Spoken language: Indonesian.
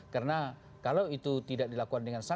karena kalau itu tidak dilakukan dengan sengaja